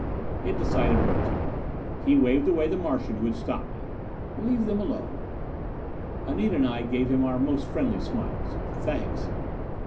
It decided Brotow. He waved away the Martian who had stopped me. "Let them alone." Anita and I gave him our most friendly smiles. "Thanks."